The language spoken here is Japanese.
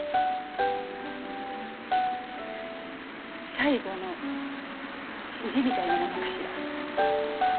最後の意地みたいなものかしら。